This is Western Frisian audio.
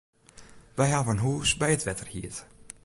Wy hawwe in hûs by it wetter hierd.